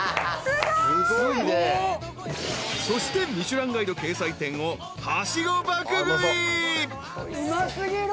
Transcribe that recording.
［そして『ミシュランガイド』掲載店をはしご爆食い］うま過ぎる。